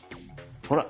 ほら！